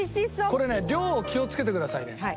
これね量を気を付けてくださいね。